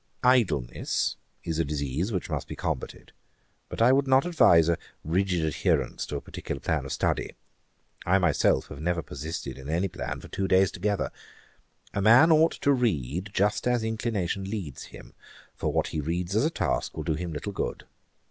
'Idleness is a disease which must be combated; but I would not advise a rigid adherence to a particular plan of study. I myself have never persisted in any plan for two days together. A man ought to read just as inclination leads him; for what he reads as a task will do him little good.